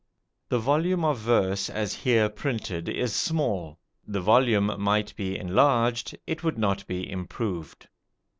The volume of verse as here printed is small. The volume might be enlarged; it would not be improved.